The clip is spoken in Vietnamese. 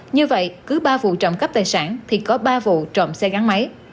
như vậy cứ ba vụ trụng cấp tài sản thì có ba vụ trụng xe gắn máy